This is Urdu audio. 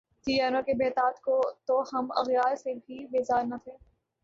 تھی یاروں کی بہتات تو ہم اغیار سے بھی بیزار نہ تھے